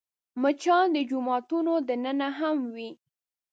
مچان د جوماتونو دننه هم وي